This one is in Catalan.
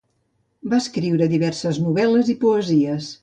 Va escriure diverses novel·les i poesies.